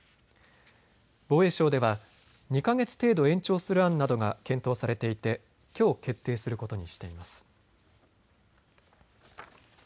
防衛省では２か月程度延長する案などが検討されていてきょう決定することにしています。